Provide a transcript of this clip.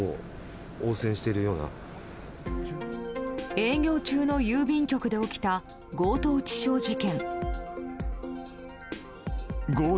営業中の郵便局で起きた強盗致傷事件。